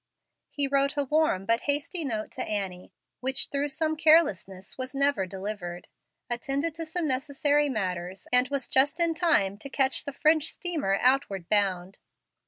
He wrote a warm but hasty note to Annie, which through some carelessness was never delivered, attended to some necessary matters, and was just in time to catch the French steamer outward bound.